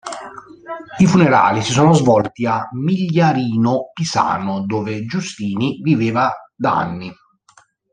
I funerali si sono svolti a Migliarino Pisano, dove Giustini viveva da anni.